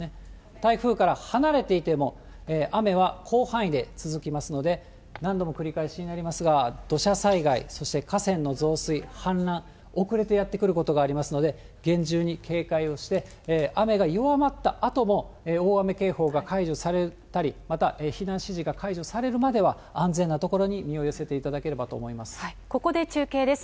台風から離れていても、雨は広範囲で続きますので、何度も繰り返しになりますが、土砂災害、そして河川の増水、氾濫、遅れてやって来ることがありますので、厳重に警戒をして、雨が弱まったあとも、大雨警報が解除されたり、また避難指示が解除されるまでは安全な所に身を寄せていただけれここで中継です。